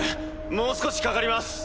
もう少しかかります。